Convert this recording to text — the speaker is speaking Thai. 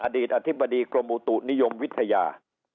อดีตอธิบดีกรมอุตุนิยมวิทยา